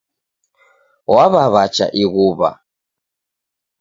Wwacha ighuwa